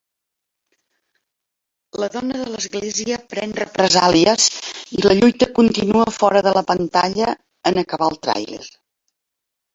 La dona de l'església pren represàlies i la lluita continua fora de la pantalla en acabar el tràiler.